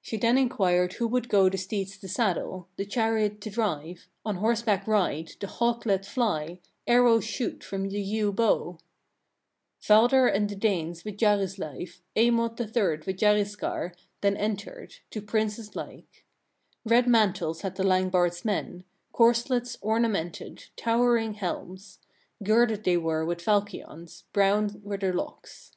She then inquired who would go the steeds to saddle, the chariot to drive, on horseback ride, the hawk let fly, arrows shoot from the yew bow? 19. Valdar and the Danes with Jarizleif, Eymod the third with Jarizkar, then entered, to princes like. Red mantles had the Langbard's men, corslets ornamented, towering helms; girded they were with falchions, brown were their locks.